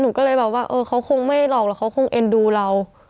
หนูก็เลยแบบว่าเออเขาคงไม่หลอกแล้วเขาคงเอ็นดูเรา